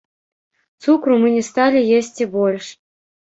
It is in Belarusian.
Цукру мы не сталі есці больш.